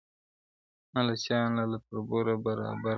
نه له سیال نه له تربوره برابر دی -